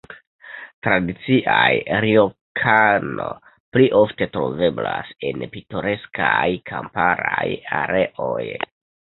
Tradicia rjokano pli ofte troveblas en pitoreskaj kamparaj areoj.